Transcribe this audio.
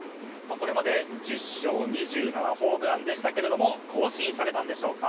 これまで１０勝２７ホームランでしたけど更新されたんでしょうか。